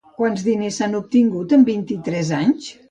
Quants diners s'ha obtingut en vint-i-tres anys?